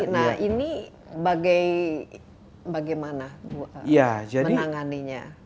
nah ini bagaimana menanganinya